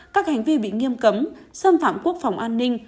các hành vi bị nghiêm cấm xâm phạm quốc phòng an ninh